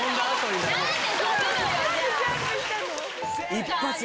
一発！